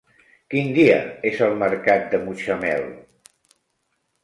Quin dia és el mercat de Mutxamel?